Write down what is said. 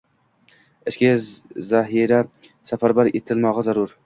– ichki zahira safarbar etilmog‘i zarur.